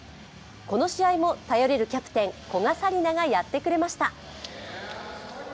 この試合も頼れるキャプテン・古賀紗理那がやってくれました。